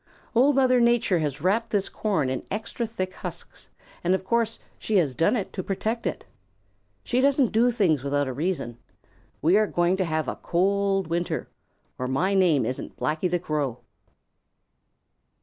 Old Mother Nature has wrapped this corn in extra thick husks, and of course she has done it to protect it. She doesn't do things without a reason. We are going to have a cold winter, or my name isn't Blacky the Crow."